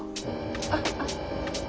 あっあっ。